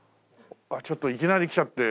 ちょっといきなり来ちゃってねえ。